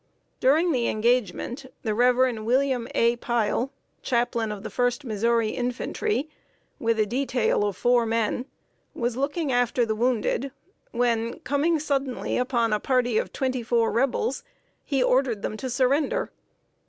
] During the engagement, the Rev. William A. Pile, Chaplain of the First Missouri Infantry, with a detail of four men, was looking after the wounded, when, coming suddenly upon a party of twenty four Rebels, he ordered them to surrender.